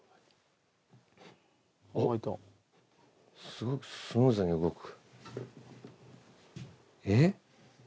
すごくスムーズに動く。